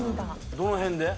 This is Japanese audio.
どの辺で？